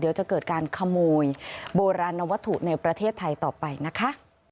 เดี๋ยวจะเกิดการขโมยโบราณวัตถุในประเทศไทยต่อไปนะคะ